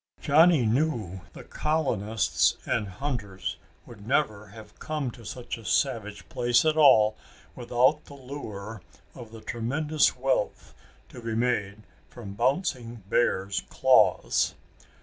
Johnny knew the colonists and hunters would never have come to such a savage place at all without the lure of tremendous wealth to be made from bouncing bears' claws.